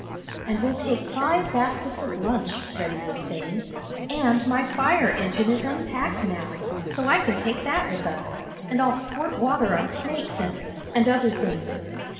"And we'll take five baskets of lunch," Freddie was saying, "and my fire engine is unpacked now, so I can take that with us, and I'll squirt water on snakes and and other things."